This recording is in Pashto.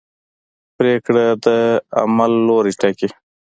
پرېکړه د عمل لوری ټاکي.